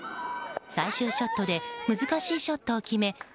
最終ショットで難しいショットを決め